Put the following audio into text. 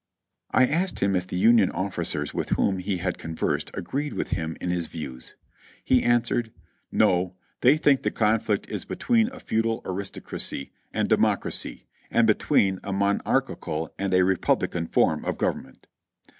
I asked him if the Union officers with whom he had conversed agreed with him in his views. He answered, "No, they think the conflict is between a feudal aristocracy and democracy, and between a monarchical and a re publican form of government."